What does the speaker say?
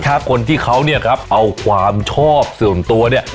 ถ้าคนที่เขาเนี่ยครับเอาความชอบส่วนตัวเนี่ย